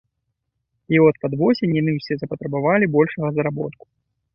І от пад восень яны ўсе запатрабавалі большага заработку.